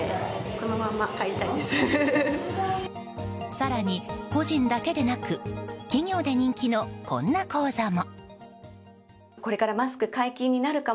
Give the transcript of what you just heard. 更に、個人だけでなく企業で人気のこんな講座も。